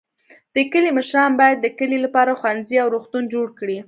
د کلي مشران باید د کلي لپاره ښوونځی او روغتون جوړ کړي.